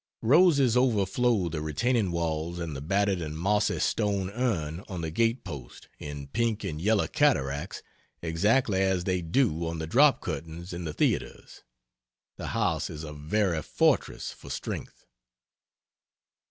Roses overflow the retaining walls and the battered and mossy stone urn on the gate post, in pink and yellow cataracts, exactly as they do on the drop curtains in the theaters. The house is a very fortress for strength."